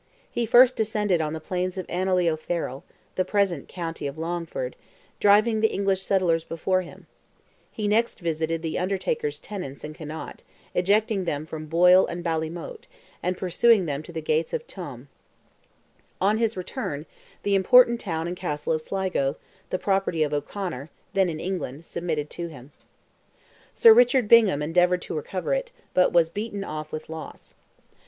He first descended on the plains of Annally O'Farrell (the present county of Longford), driving the English settlers before him: he next visited the undertaker's tenants in Connaught, ejecting them from Boyle and Ballymoate, and pursuing them to the gates of Tuam. On his return, the important town and castle of Sligo, the property of O'Conor, then in England, submitted to him. Sir Richard Bingham endeavoured to recover it, but was beaten off with loss.